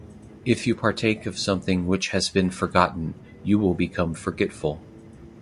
If you partake of something which has been forgotten, you will become forgetful.